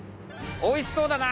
「おいしそうだな！」。